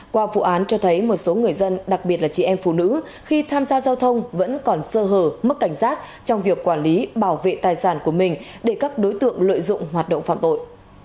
qua vụ án cho thấy một số người dân đặc biệt là chị em phụ nữ khi tham gia giao thông vẫn còn sơ hở mức cảnh giác trong việc quản lý bảo vệ tài sản của mình để các đối tượng lợi dụng hoạt động phạm tội